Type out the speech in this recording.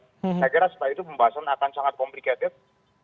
saya kira setelah itu pembahasan akan sangat komplikated